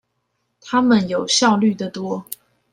他們有效率的多